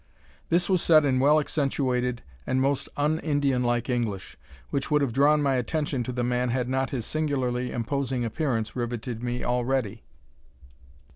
This was said in well accentuated and most un Indianlike English, which would have drawn my attention to the man had not his singularly imposing appearance riveted me already.